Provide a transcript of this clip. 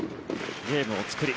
ゲームを作り